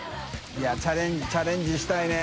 いチャレンジしたいね。